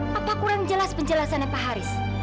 apa kurang jelas penjelasannya pak haris